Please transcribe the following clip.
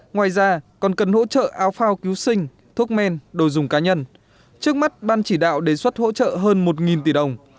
ngoài ra còn cần hỗ trợ áo phao cứu sinh thuốc men đồ dùng cá nhân trước mắt ban chỉ đạo đề xuất hỗ trợ hơn một tỷ đồng